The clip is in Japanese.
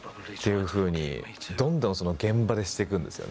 いうふうにどんどん現場でしていくんですよね。